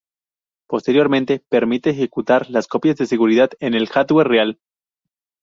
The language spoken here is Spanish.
Posteriormente permite ejecutar las copias de seguridad en el hardware real.